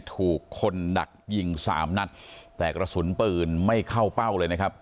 ถูกคนหนักยิงสามนัดแต่กระสุนปืนไม่เข้าเป้าเลยนะครับ